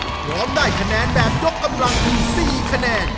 ร้อนรอบได้แนนแบบยกกำลังทั้ง๔คะแนน